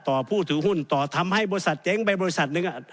ผู้ถือหุ้นต่อทำให้บริษัทเจ๊งไปบริษัทหนึ่ง